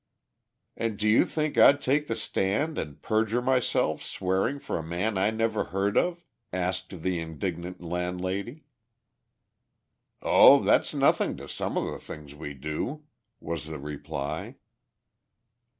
"And do you think I'd take the stand and perjure myself swearing for a man I never heard of?" asked the indignant landlady. "Oh, that's nothing to some of the things we do," was the reply.